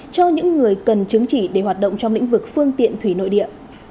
cho những người cần chứng chỉ để hoạt động trong lĩnh vực phương tiện thủy nội địa